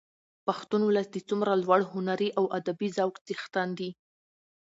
پښتون ولس د څومره لوړ هنري او ادبي ذوق څښتن دي.